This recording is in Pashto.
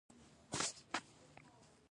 " ـ ما وې " ښۀ دې وکړۀ " ـ